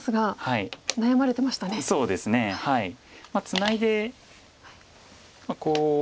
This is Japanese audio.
ツナいでこう。